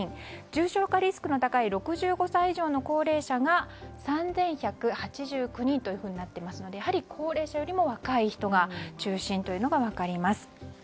重症化リスクの高い６５歳以上の高齢者が３１８９人となっていますのでやはり高齢者よりも若い人が中心というのが分かります。